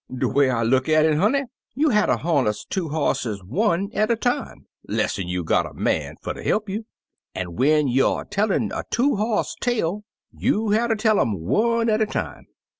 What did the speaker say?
"De way I look at it, honey, you hatter harness two bosses one at a time, less'n you got a man fer ter he'p you ; an* when youer tellin' a two boss tale, you batter tell um one at a time.